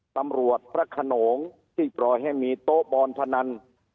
ตำรวจพระขนงที่ปล่อยให้มีโต๊ะบอลพนัน